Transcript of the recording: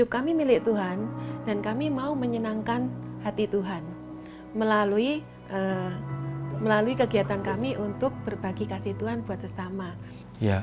kami menggunakan kesehatan tuhan untuk membagi kasih tuhan untuk sesama